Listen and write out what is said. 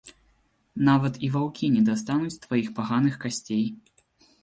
Нават і ваўкі не дастануць тваіх паганых касцей.